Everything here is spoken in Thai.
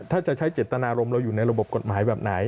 ถ้าจะใช้เจตนารมณ์เราอยู่ในระบบกฎหมายแบบไหน